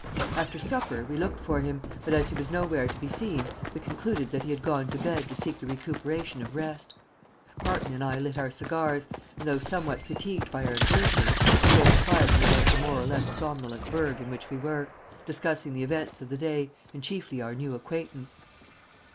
After supper we looked for him, but as he was nowhere to be seen, we concluded that he had gone to bed to seek the recuperation of rest. Parton and I lit our cigars and, though somewhat fatigued by our exertions, strolled quietly about the more or less somnolent burg in which we were, discussing the events of the day, and chiefly our new acquaintance.